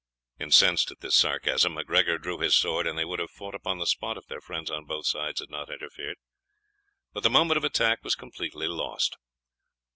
Incensed at this sarcasm, MacGregor drew his sword, and they would have fought upon the spot if their friends on both sides had not interfered. But the moment of attack was completely lost.